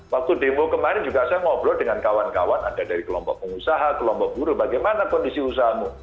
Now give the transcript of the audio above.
waktu demo kemarin juga saya ngobrol dengan kawan kawan ada dari kelompok pengusaha kelompok buruh bagaimana kondisi usahamu